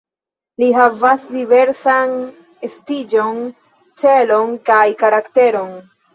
Ili havas diversan estiĝon, celon kaj karakteron.